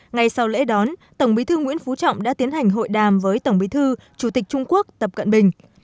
ngay sau lễ đón tổng bí thư nguyễn phú trọng đã tiến hành hội đàm với tổng bí thư chủ tịch trung quốc tập cận bình